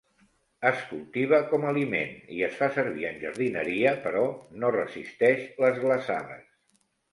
Es cultiva com aliment i es fa servir en jardineria però no resisteix les glaçades.